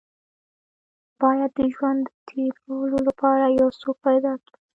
بايد د ژوند د تېرولو لپاره يو څوک پيدا کې.